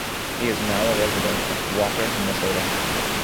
He is now a resident of Walker, Minnesota.